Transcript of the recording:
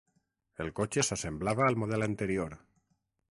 El cotxe s'assemblava al model anterior.